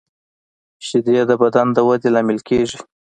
شیدې د بدن د ودې لامل کېږي